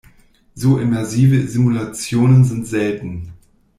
So immersive Simulationen sind selten.